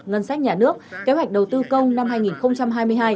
ngân sách nhà nước kế hoạch đầu tư công năm hai nghìn hai mươi hai